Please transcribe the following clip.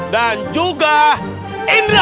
dan juga indra